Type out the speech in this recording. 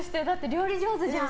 料理上手じゃん。